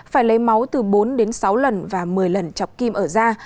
phải lấy máu từ bốn đến sáu lần và một mươi lần chọc kim ở da